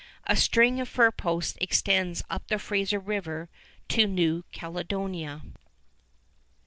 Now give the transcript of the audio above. A string of fur posts extends up Fraser River to New Caledonia.